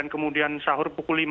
kemudian sahur pukul lima